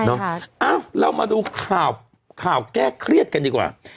เอ้าเรามาดูข่าวข่าวแก้เครียดกันดีกว่า